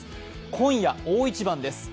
今夜、大一番です。